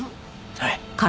はい。